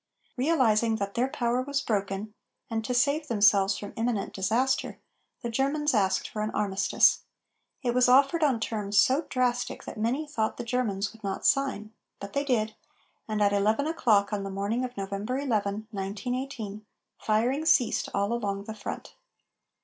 Realizing that their power was broken and to save themselves from imminent disaster, the Germans asked for an armistice. It was offered on terms so drastic that many thought the Germans would not sign, but they did, and at eleven o'clock on the morning of November 11, 1918, firing ceased all along the front.